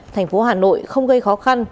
tp hà nội không gây khó khăn